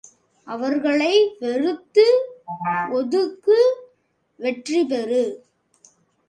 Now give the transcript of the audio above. அவர்களை வெறுத்து ஒதுக்கு வெற்றிபெறு!